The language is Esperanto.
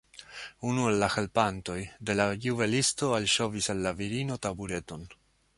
Unu el la helpantoj de la juvelisto alŝovis al la virino tabureton.